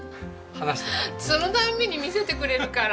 そのたんびに見せてくれるから。